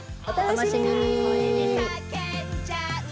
お楽しみに！